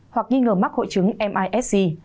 hoặc nghi ngờ mắc hội chứng misg